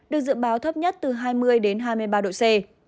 được dự báo thấp nhất từ hai mươi đến hai mươi ba độ c